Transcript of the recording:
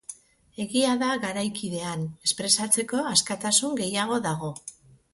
Egia da garaikidean, espresatzeko askatasun gehiago dago.